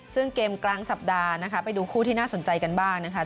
ซึ่งเกมกลางสัปดาห์นะคะไปดูคู่ที่น่าสนใจกันบ้างนะคะ